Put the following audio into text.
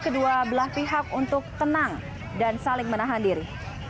kedua belah pihak untuk tenang dan saling menahan diri